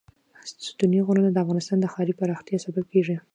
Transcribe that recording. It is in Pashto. ستوني غرونه د افغانستان د ښاري پراختیا سبب کېږي.